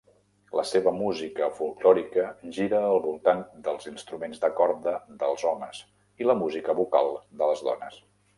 La seva música folklòrica gira al voltant dels instruments de corda dels homes i la música vocal de les dones.